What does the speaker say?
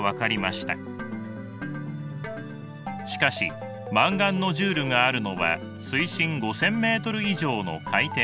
しかしマンガンノジュールがあるのは水深５，０００メートル以上の海底です。